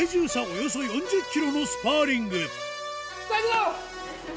およそ４０ｋｇのスパーリングＯＫ！